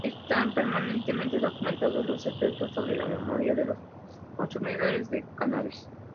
Están perfectamente documentados los efectos sobre la memoria en los consumidores de cannabis.